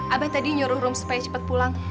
abang tadi nyuruh rum supaya cepat pulang